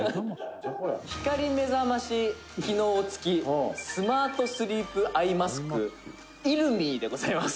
光目覚まし機能付きスマートスリープアイマスクイルミーでございます」